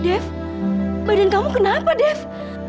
dave badan kamu kenapa dave